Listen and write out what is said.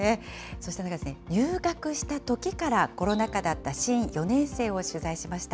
そうした中、入学したときからコロナ禍だった新４年生を取材しました。